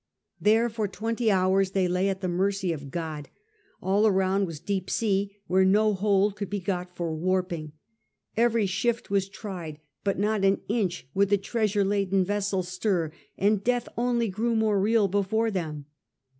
There for twenty hours they lay at the mercy of God. All around was deep sea, where no hold could be got for warping. Every shift wa« tried, but not an inch would the treasure laden vessel stir, and death only grew more real before them.